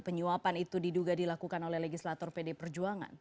penyuapan itu diduga dilakukan oleh legislator pd perjuangan